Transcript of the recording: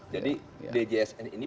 jadi djsn ini